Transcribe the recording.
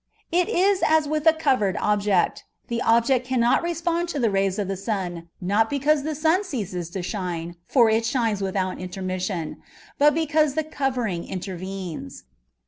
It is as with a covered object. The object can not respond to the rays of the sun, not because the sun ceases to shine, — for it shines without intermis sion, — but because the covering intervenes.